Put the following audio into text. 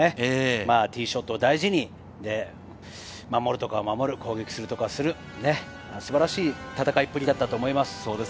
ティーショットを大事に、守るところは守る、攻撃するところはする、素晴らしい戦いぶりだったと思います。